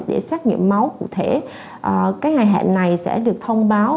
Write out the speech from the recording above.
để xét nghiệm máu cụ thể cái ngày hẹn này sẽ được thông báo